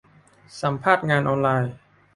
สัมภาษณ์งานออนไลน์